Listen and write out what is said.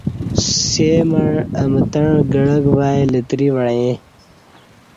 سےمع اہ متݩع گعک وای لتری وعیݩ